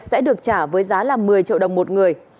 sẽ được trả với giá là một mươi triệu đồng một người